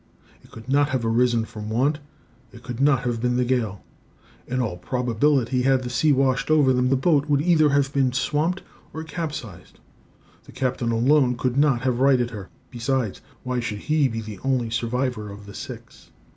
It could not have arisen from want. It could not have been the gale. In all probability, had the sea washed over them, the boat would either have been swamped or capsized. The captain alone could not have righted her. Besides, why should he be the only survivor of the six?